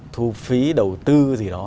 thu phí đầu tư gì đó